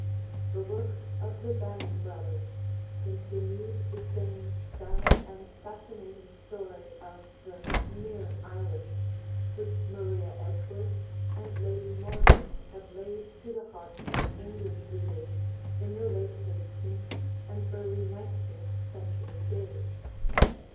The works of the Banim brothers continued the same sad and fascinating story of the "mere Irish" which Maria Edgeworth and Lady Morgan had laid to the hearts of English readers in the late eighteenth and early nineteenth century days.